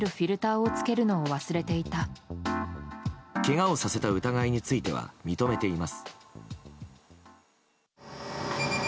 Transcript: けがをさせた疑いについては認めています。